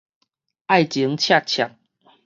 愛情赤赤